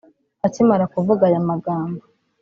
Akimara kuvuga aya magambo